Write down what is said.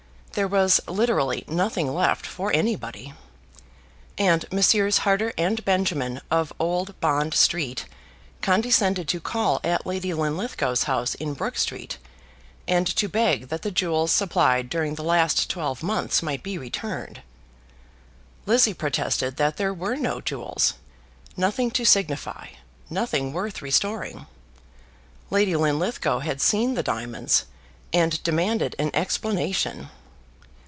There was literally nothing left for anybody, and Messrs. Harter and Benjamin of Old Bond Street condescended to call at Lady Linlithgow's house in Brook Street, and to beg that the jewels supplied during the last twelve months might be returned. Lizzie protested that there were no jewels, nothing to signify, nothing worth restoring. Lady Linlithgow had seen the diamonds, and demanded an explanation.